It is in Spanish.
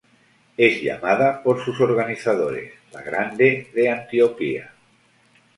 Es llamada por sus organizadores ""La Grande de Antioquia"".